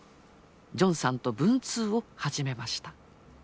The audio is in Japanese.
ジョンさんと文通を始めました。